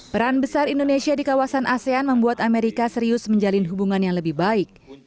peran besar indonesia di kawasan asean membuat amerika serius menjalin hubungan yang lebih baik